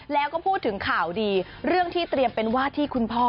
แล้วก็พูดถึงข่าวดีเรื่องที่เตรียมเป็นวาดที่คุณพ่อ